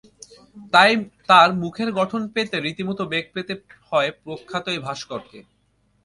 তাই তাঁর মুখের গঠন পেতে রীতিমতো বেগ পেতে হয় প্রখ্যাত এই ভাস্করকে।